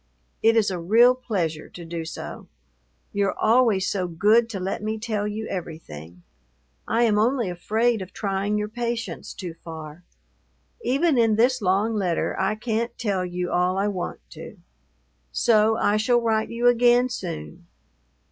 It is a real pleasure to do so. You're always so good to let me tell you everything. I am only afraid of trying your patience too far. Even in this long letter I can't tell you all I want to; so I shall write you again soon.